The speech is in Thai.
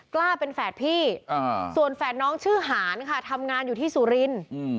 กล้าเป็นแฝดพี่ส่วนแฝดน้องชื่อหารค่ะทำงานอยู่ที่สุรินทร์